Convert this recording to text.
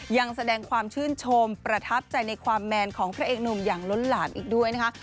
ยังแสดงความชื่นชมประทับใจในความแมนของพระเอกหนุ่มอย่างล้นหลามอีกด้วยนะคะ